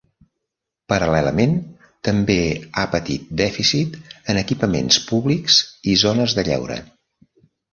Paral·lelament també ha patit dèficit en equipaments públics i zones de lleure.